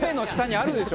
あるでしょ？